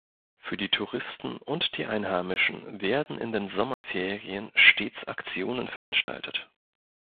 Für die Touristen und die Einheimischen werden in den Sommerferien stets Aktionen veranstaltet.